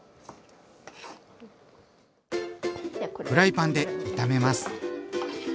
フライパンで炒めます。